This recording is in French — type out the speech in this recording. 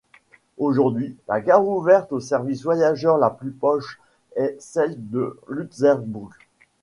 Aujourd'hui, la gare ouverte au service voyageurs la plus poche est celle de Lutzelbourg.